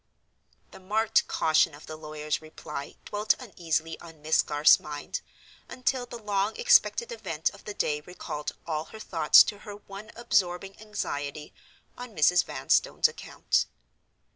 The marked caution of the lawyer's reply dwelt uneasily on Miss Garth's mind, until the long expected event of the day recalled all her thoughts to her one absorbing anxiety on Mrs. Vanstone's account.